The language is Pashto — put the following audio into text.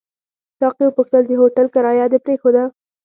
ساقي وپوښتل: د هوټل کرایه دې پرېښوده؟